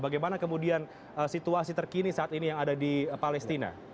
bagaimana kemudian situasi terkini saat ini yang ada di palestina